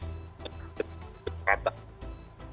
setiap pertandingan semuanya